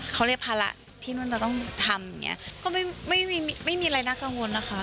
เขาเรียกภาระที่นู่นจะต้องทำอย่างเงี้ยก็ไม่มีไม่มีอะไรน่ากังวลนะคะ